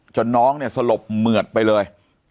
น้องเนี่ยสลบเหมือดไปเลย